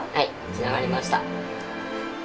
つながりました。